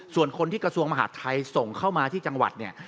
ส่วนคนที่กระทรวงมหาดไทยส่งเข้ามาที่จังหวัดเนี่ย